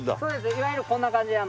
いわゆるこんな感じで。